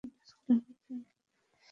আঙুলে একটু চোট লেগেছে শুধু!